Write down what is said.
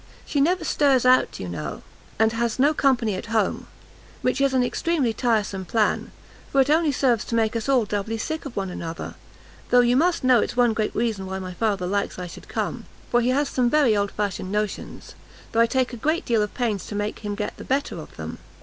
She never stirs out, you know, and has no company at home, which is an extremely tiresome plan, for it only serves to make us all doubly sick of one another; though you must know it's one great reason why my father likes I should come; for he has some very old fashioned notions, though I take a great deal of pains to make him get the better of them.